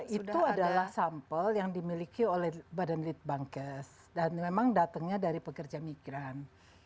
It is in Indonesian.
itu adalah sampel yang dimiliki oleh badan litbangkes dan memang datangnya dari pekerja migran